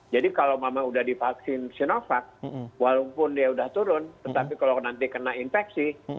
jadi kalau memang sudah divaksin sinovac walaupun dia sudah turun tetapi kalau nanti kena infeksi